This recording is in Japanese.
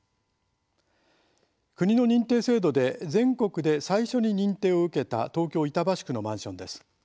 国の認定制度で全国で最初に認定を受けた東京・板橋区のマンションです。